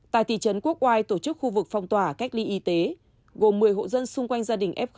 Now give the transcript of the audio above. tại thị trấn quốc oai tổ chức khu vực phong tỏa cách ly y tế gồm một mươi hộ dân xung quanh gia đình f một